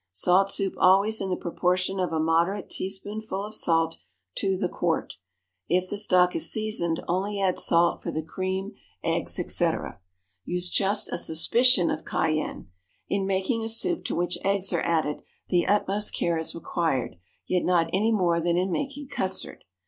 Salt soup always in the proportion of a moderate teaspoonful of salt to the quart; if the stock is seasoned, only add salt for the cream, eggs, etc. Use just a suspicion of cayenne. In making soup to which eggs are added, the utmost care is required, yet not any more than in making custard.